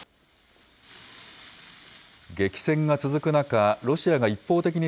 激戦が続く中、ロシアが一方的に